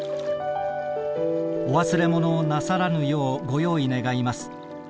お忘れ物をなさらぬようご用意願います。